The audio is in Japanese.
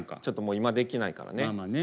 ちょっともう今できないからね。